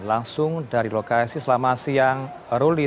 langsung dari lokasi selama siang ruli